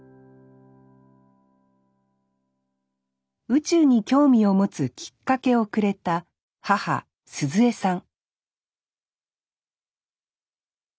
宇宙に興味を持つきっかけをくれた母涼江さん。